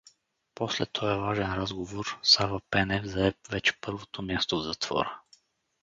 После тоя важен разговор Сава Пенев зае вече първото място в затвора.